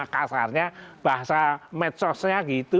kasarnya bahasa medsosnya gitu